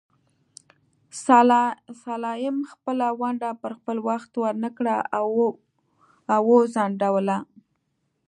سلایم خپله ونډه پر خپل وخت ورنکړه او وځنډوله.